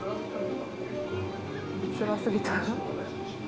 つらすぎた。